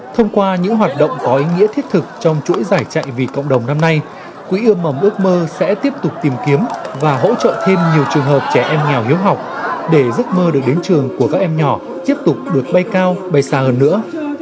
thông qua những hoạt động có ý nghĩa thiết thực trong chuỗi giải chạy vì cộng đồng năm nay quỹ ươm mầm ước mơ sẽ tiếp tục tìm kiếm và hỗ trợ thêm nhiều trường hợp trẻ em nghèo hiếu học để giấc mơ được đến trường của các em nhỏ tiếp tục được bay cao bay xa hơn nữa